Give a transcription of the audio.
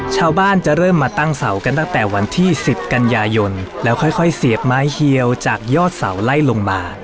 ชาวบ้านจะเริ่มมาตั้งเสากันตั้งแต่วันที่๑๐กันยายนแล้วค่อยเสียบไม้เฮียวจากยอดเสาไล่ลงมา